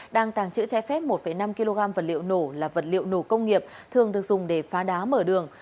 đang tàng trữ trái phép một năm kg vật liệu nổ là vật liệu nổ công nghiệp thường được dùng để phá đá mở đường